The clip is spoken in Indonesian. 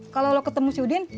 kalau lo ketemu si udin